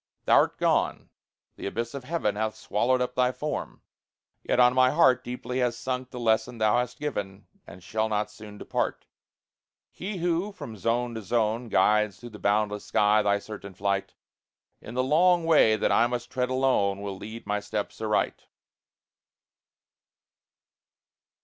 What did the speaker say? Thou'rt gone, the abyss of heaven Hath swallowed up thy form; yet on my heart Deeply has sunk the lesson thou hast given, And shall not soon depart. He who, from zone to zone, Guides through the boundless sky thy certain flight, In the long way that I must tread alone, Will lead my steps aright.